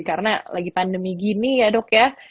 karena lagi pandemi gini ya dok ya